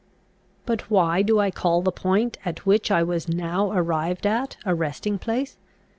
But why do I call the point at which I was now arrived at a resting place?